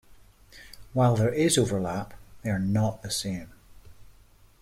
While there is overlap, they are not the same.